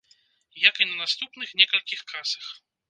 Як і на наступных некалькіх касах.